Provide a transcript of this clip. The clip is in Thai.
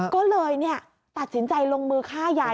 ก็เลยตัดสินใจลงมือฆ่ายาย